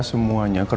terima kasih wij